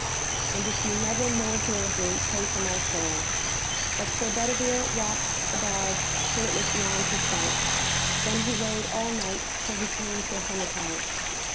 And if you never more hear of me, pray for my soul." But Sir Bedivere watched the barge till it was beyond his sight, then he rode all night till he came to a hermitage.